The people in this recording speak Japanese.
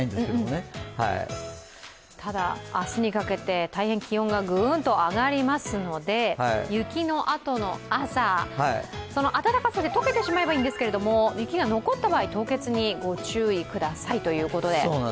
ただ明日にかけて大変気温がグンと上がりますので、雪のあとの朝、暖かさで解けてしまえばいいんですけど、雪が残った場合、凍結にご注意くださいということで。